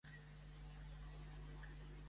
Més feliç que el Guerra.